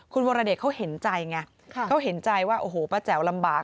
คุณวรเดชเขาเห็นใจไงเขาเห็นใจว่าโอ้โหป้าแจ๋วลำบาก